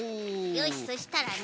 よしそしたらね